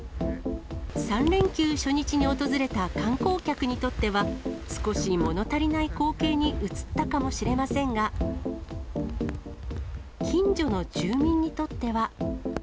３連休初日に訪れた観光客にとっては、少しもの足りない光景に映ったかもしれませんが、近所の住民にとっては。